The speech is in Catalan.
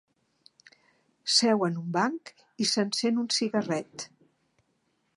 Seu en un banc i s'encén un cigarret.